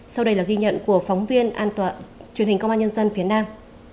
sau đây là ghi nhận của phóng viên an toàn truyền hình công an nhân dân việt nam